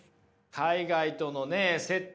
海外とのね接点